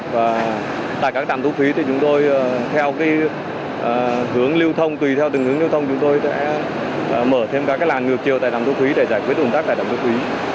và tại các trạm thu phí thì chúng tôi theo hướng lưu thông tùy theo từng hướng lưu thông chúng tôi sẽ mở thêm các làn ngược chiều tại trạm thu phí để giải quyết ủng tắc tại trạm thu phí